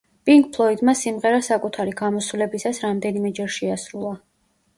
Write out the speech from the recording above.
პინკ ფლოიდმა სიმღერა საკუთარი გამოსვლებისას რამდენიმეჯერ შეასრულა.